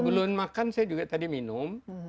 sebelum makan saya juga tadi minum